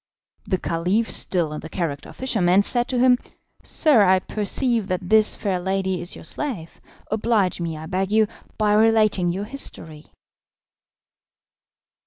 The Caliph (still in the character of fisherman) said to him, "Sir, I perceive that this fair lady is your slave. Oblige me, I beg you, by relating your history."